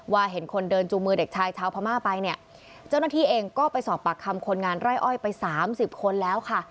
เห็นคนเดินจูงมือเด็กชายชาวพม่าไปเนี่ยเจ้าหน้าที่เองก็ไปสอบปากคำคนงานไร่อ้อยไปสามสิบคนแล้วค่ะ